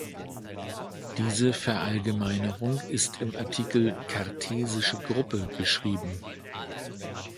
Diese Verallgemeinerung ist im Artikel Kartesische Gruppe beschrieben.